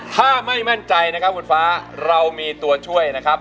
ถ้าไม่มั่นใจนะครับคุณฟ้าเรามีตัวช่วยนะครับ